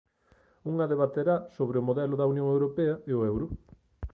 Unha debaterá sobre o modelo da Unión Europea e o euro.